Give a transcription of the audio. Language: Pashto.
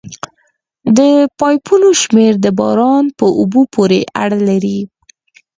د پایپونو شمېر د باران په اوبو پورې اړه لري